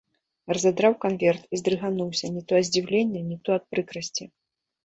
Разадраў канверт і здрыгануўся не то ад здзіўлення, не то ад прыкрасці.